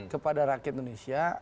kepada rakyat indonesia